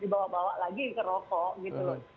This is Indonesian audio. jadi jangan dibawa bawa lagi ke rokok gitu loh